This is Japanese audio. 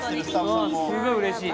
うんすごいうれしい。